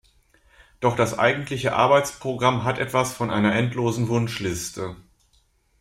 Doch das eigentliche Arbeitsprogramm hat etwas von einer endlosen Wunschliste.